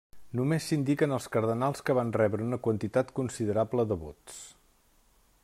Només s'indiquen els cardenals que van rebre una quantitat considerable de vots.